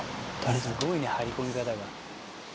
すごいね張り込み方が。